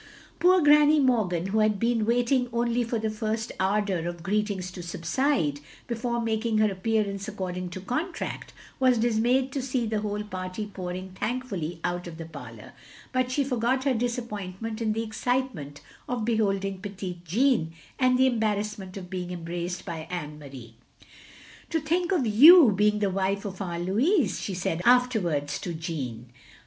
Poor Granny Morgan, who had been waiting only for the first ardour of greetings to subside, before making her appearance according to contract, was disnmyed to see the whole party pouring thankfully out of the parlour; but she forgot her disappointment in the excitement of beholding petit Jean, and the embarrassment of being embraced by Anne Marie. "To think of yon being the wife of our Louis, " she said afterwards to Jeanne.